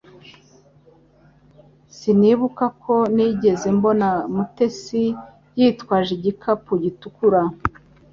Sinibuka ko nigeze mbona Mutesi yitwaje igikapu gitukura